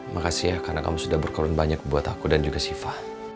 makasih ya karena kamu sudah berkorun banyak buat aku dan juga siva